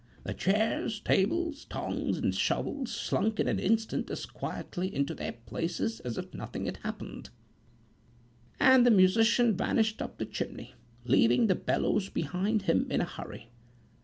The chairs, tables, tongs, and shovel slunk in an instant as quietly into their places as if nothing had happened; and the musician vanished up the chimney, leaving the bellows behind him in his hurry.